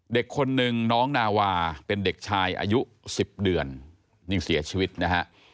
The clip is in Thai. เด็กคนนึงน้องนาวาเป็นเด็กชายอายุ๑๐เดือนนี่เสียชีวิตนะฮะ